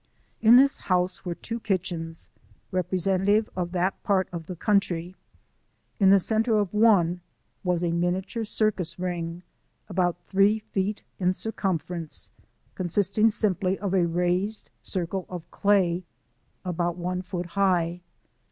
In this house were two kitchens, representative of that part of the country. In the center of one was a miniature circus ring about three feet in circumference, consisting simply of a raised circle of clay IN MOTHER NOAH'S SHOES. 63 about one foot high.